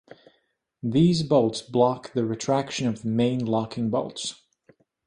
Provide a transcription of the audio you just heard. These bolts block the retraction of the main locking bolts.